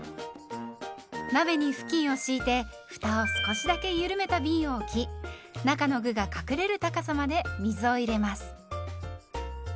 鍋に布巾を敷いてふたを少しだけゆるめたびんを置き中の具が隠れる高さまで水を入れます。